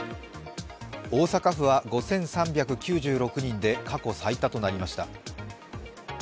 大阪府は５３９６人で過去最多となりました。